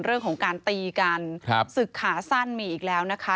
เรื่องของการตีกันครับศึกขาสั้นมีอีกแล้วนะคะ